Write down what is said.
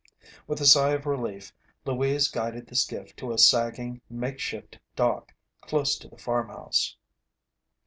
With a sigh of relief, Louise guided the skiff to a sagging, make shift dock close to the farmhouse.